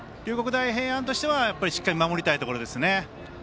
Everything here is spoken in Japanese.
大平安としてはしっかり守りたいところです。